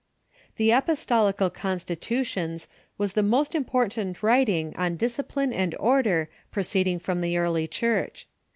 The Apostolical Constitutions was the most important Avrit ing on discipline and order proceeding from the earl}^ Church.